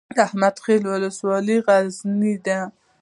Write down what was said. احمد خیل ولسوالۍ غرنۍ ده؟